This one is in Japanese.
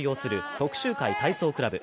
徳洲会体操クラブ。